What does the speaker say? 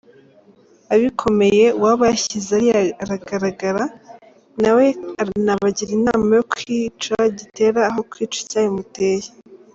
Abikomye uwaba yashyize ariya aragaragara nawe nabagira inama yo kwica gitera aho kwica icyabimuteye.